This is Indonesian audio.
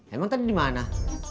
emang tadi dimana